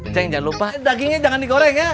ceng jangan lupa dagingnya jangan di goreng ya